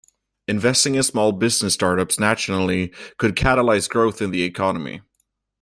Investing in small business startups nationally could catalyze growth in the economy.